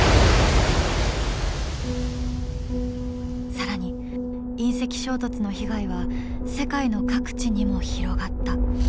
更に隕石衝突の被害は世界の各地にも広がった。